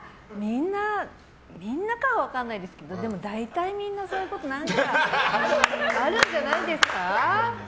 みんなかは分かんないですけどでも大体みんなそういうこと何かあるんじゃないですか？